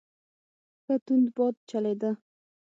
ښه تند باد چلیده.